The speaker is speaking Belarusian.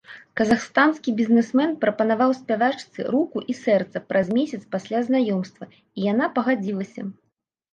Казахстанскі бізнэсмен прапанаваў спявачцы руку і сэрца праз месяц пасля знаёмства і яна пагадзілася.